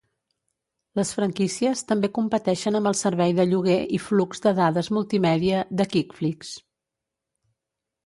Les franquícies també competeixen amb el servei de lloguer i flux de dades multimèdia de Quickflix.